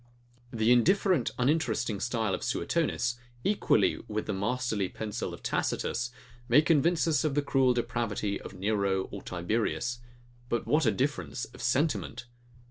The indifferent, uninteresting style of Suetonius, equally with the masterly pencil of Tacitus, may convince us of the cruel depravity of Nero or Tiberius: But what a difference of sentiment!